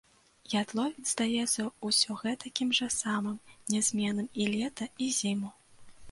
Ядловец здаецца ўсё гэтакім жа самым, нязменным і лета, і зіму.